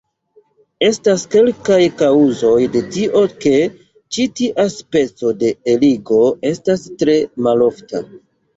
Estas kelkaj kaŭzoj de tio ke ĉi tia speco de eligo estas tre malofta.